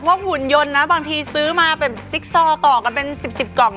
แต่พวกหุ่นยนต์นะบางทีซื้อมาเป็นจิ๊กซอร์กล่องกันเป็น๑๐กล่อง